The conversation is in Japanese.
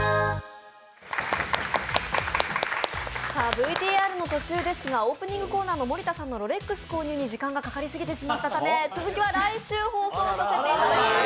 ＶＴＲの途中ですがオープニングコーナーの森田さんのロレックス購入に時間がかかりすぎてしまったため、続きは来週放送させていただきます。